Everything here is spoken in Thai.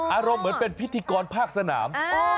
อารมณ์เหมือนผิดทิกรภาคสะนาม